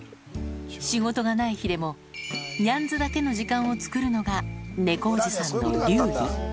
仕事がない日でも、ニャンズだけの時間を作るのが猫おじさんの流儀。